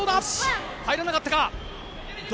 入らなかった。